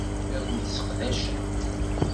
La kent-sseqdacent.